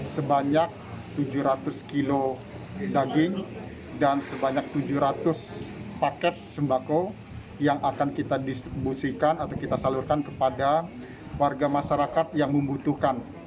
sebanyak tujuh ratus kilo daging dan sebanyak tujuh ratus paket sembako yang akan kita distribusikan atau kita salurkan kepada warga masyarakat yang membutuhkan